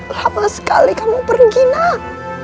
lama sekali kamu pergi naik